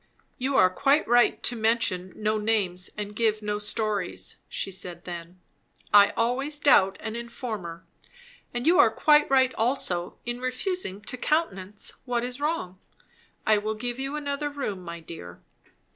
"You are quite right to mention no names and give no stories," she said then. "I always doubt an informer. And you are quite right also in refusing to countenance what is wrong. I will give you another room, my dear."